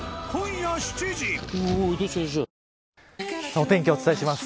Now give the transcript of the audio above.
お天気をお伝えします。